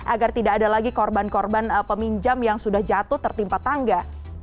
agar tidak ada lagi korban korban peminjam yang sudah jatuh tertimpa tangga